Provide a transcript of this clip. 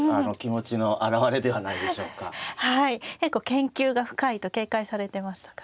研究が深いと警戒されてましたからね。